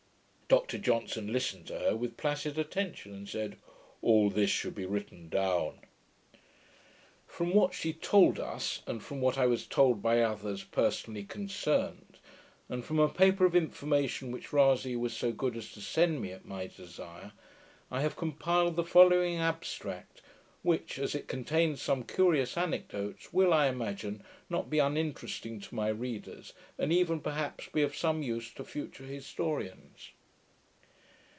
Dr Johnson listened to her with placid attention, and said, 'All this should be written down.' From what she told us, and from what I was told by others personally concerned, and from a paper of information which Rasay was so good as to send me, at my desire, I have compiled the following abstract, which, as it contains some curious anecdotes, will, I imagine not be uninteresting to my readers, and even, perhaps, be of some use to future historians.